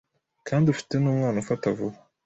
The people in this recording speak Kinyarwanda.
kandi ufite numwana ufata vuba